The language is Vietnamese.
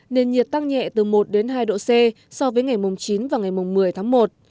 nền nhiệt tăng nhẹ từ một đến hai độ c so với ngày mùng chín và ngày mùng một mươi tháng một